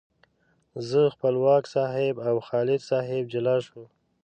زه، خپلواک صاحب او خالد صاحب جلا شوو.